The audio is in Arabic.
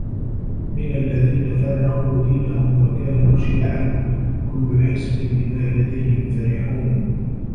مِنَ الَّذينَ فَرَّقوا دينَهُم وَكانوا شِيَعًا كُلُّ حِزبٍ بِما لَدَيهِم فَرِحونَ